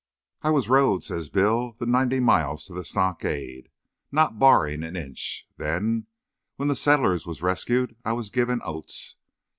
"I was rode," says Bill, "the ninety miles to the stockade, not barring an inch. Then, when the settlers was rescued, I was given oats.